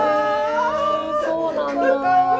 そうなんだ。